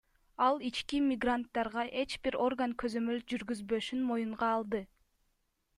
Ал ички мигранттарга эч бир орган көзөмөл жүргүзбөшүн моюнга алды.